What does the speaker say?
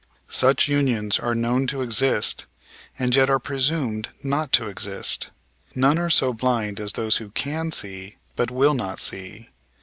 Such unions are known to exist, and yet are presumed not to exist. None are so blind as those who can see but will not see.